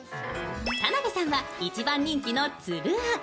田辺さんは一番人気の粒あん。